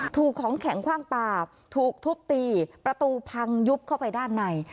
ถูกของแข็งคว่างปลาถูกทุบตีประตูพังยุบเข้าไปด้านใน